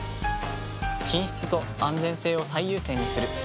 品質と安全性を最優先にする。